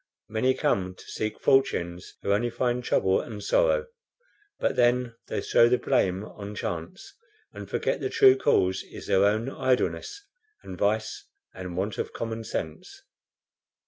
Many come to seek fortunes who only find trouble and sorrow, and then they throw the blame on chance, and forget the true cause is their own idleness and vice and want of commonsense.